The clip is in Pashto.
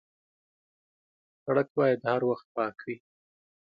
سړک باید هر وخت پاک وي.